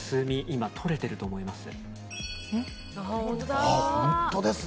今、取れてると思います。